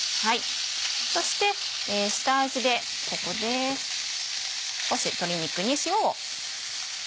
そして下味でここで少し鶏肉に塩を。